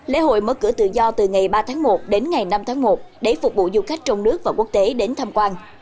lễ hội mở cửa tự do từ ngày ba tháng một đến ngày năm tháng một để phục vụ du khách trong nước và quốc tế đến tham quan